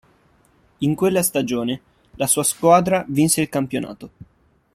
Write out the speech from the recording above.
In quella stagione, la sua squadra vinse il campionato.